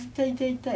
痛い！